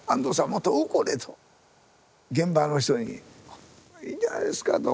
もっと怒れと現場の人に。いいんじゃないですかと。